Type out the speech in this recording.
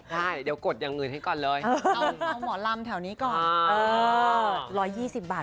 ได้เดี๋ยวกดอย่างอื่นให้ก่อนเลย